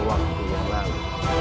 waktu yang lalu